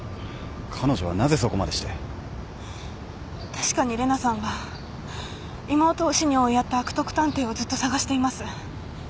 確かに玲奈さんは妹を死に追いやった悪徳探偵をずっと捜しています。